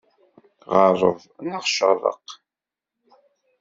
Ɣeṛṛeb, neɣ ceṛṛeq!